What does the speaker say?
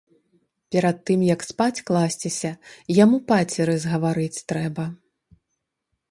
Перад тым як спаць класціся, яму пацеры згаварыць трэба.